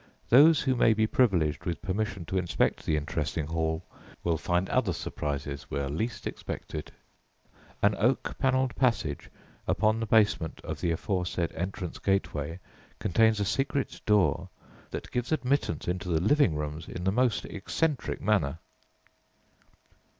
Those who may be privileged with permission to inspect the interesting hall will find other surprises where least expected. An oak panelled passage upon the basement of the aforesaid entrance gateway contains a secret door that gives admittance into the living rooms in the most eccentric manner.